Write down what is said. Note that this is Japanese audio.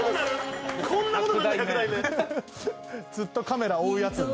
ずっとカメラ追うヤツ。